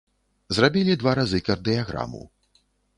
Зрабілі два разы кардыяграму.